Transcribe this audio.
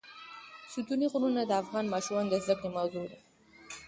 ستوني غرونه د افغان ماشومانو د زده کړې موضوع ده.